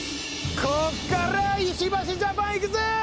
ここから石橋ジャパンいくぜ！